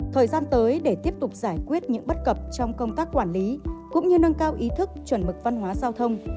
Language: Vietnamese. thời gian tới để tiếp tục giải quyết những bất cập trong công tác quản lý cũng như nâng cao ý thức chuẩn mực văn hóa giao thông